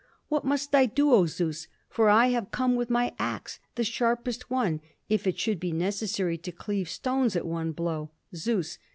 _ "What must I do, O Zeus? For I have come with my ax, the sharpest one, if it should be necessary to cleave stones at one blow." _Zeus.